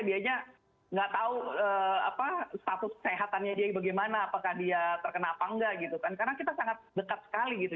dianya nggak tahu status kesehatannya dia bagaimana apakah dia terkena apa enggak gitu kan karena kita sangat dekat sekali gitu